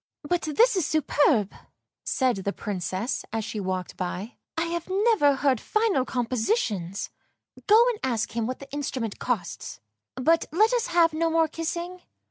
" But this is superbe !" said the Princess, as she walked by. " I have never heard finer compositions. Go and ask him what the instrument costs, but let us have no more kissing."